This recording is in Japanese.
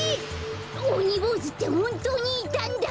おにぼうずってほんとうにいたんだ！